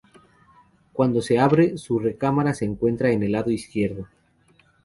Cuando se abre, su recámara se encuentra en el lado izquierdo.